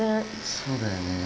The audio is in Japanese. そうだよね。